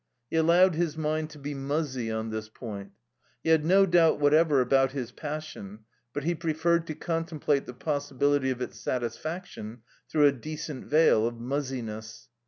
He allowed his mind to be muzzy on this point. He had no doubt whatever about his passion, but he preferred to contemplate the possibility of its satisfaction through a decent veil of muzziness.